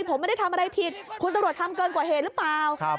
ผมไม่ได้ทำอะไรผิดคุณตำรวจทำเกินกว่าเหตุหรือเปล่า